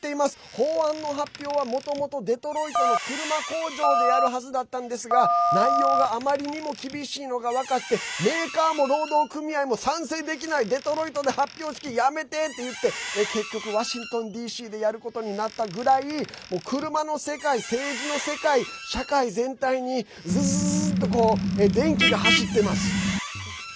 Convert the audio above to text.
法案の発表はもともとデトロイトの車工場でやるはずだったんですが内容があまりにも厳しいのが分かってメーカーも労働組合も賛成できないデトロイトで発表式やめてっていって結局、ワシントンＤＣでやることになったぐらい車の世界、政治の世界社会全体に、ＺＺＺ電気が走ってます。